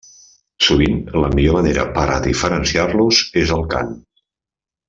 Sovint la millor manera per a diferenciar-los és el cant.